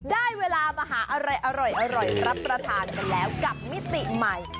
ได้เวลามาหาอะไรอร่อยรับประทานกันแล้วกับมิติใหม่